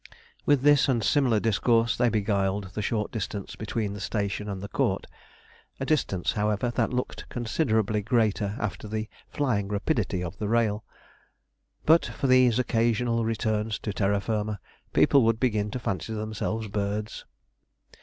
With this and similar discourse, they beguiled the short distance between the station and the Court a distance, however, that looked considerably greater after the flying rapidity of the rail. But for these occasional returns to terra firma, people would begin to fancy themselves birds.